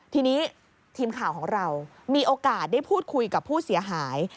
ทีนี้ทีมข่าวของเรามีโอกาสได้พูดคุยกับผู้เสียหาย